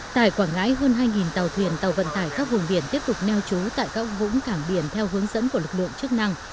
tại quảng ngãi hơn hai tàu thuyền tàu vận tải khắp vùng biển tiếp tục neo trú tại các vũng cảng biển theo hướng dẫn của lực lượng chức năng